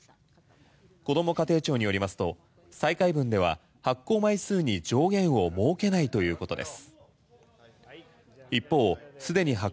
こども家庭庁によりますと再開分では発行枚数に上限を設けないということです。